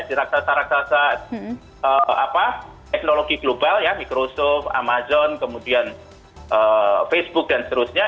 di raksasa raksasa teknologi global ya microsoft amazon kemudian facebook dan seterusnya